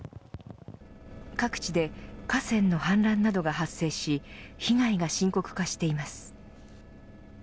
各地で河川の氾濫などが発生し被害が深刻化しています。